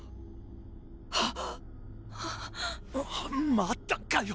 またかよ！